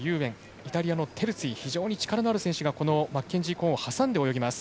イタリアのテルツィ非常に力のある選手がこのマッケンジー・コーンをはさんで泳ぎます。